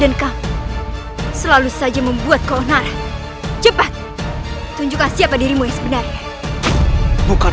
dan kamu selalu saja membuat kolnara cepat tunjukkan siapa dirimu yang sebenarnya bukan